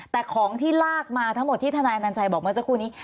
แต่ของที่ลากมาทั้งหมดที่ทนายอนัญชัยบอกเมื่อสักครู่นี้